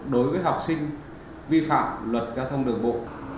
đối với học sinh vi phạm luật giao thông đường bộ